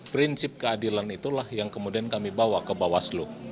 prinsip keadilan itulah yang kemudian kami bawa ke bawaslu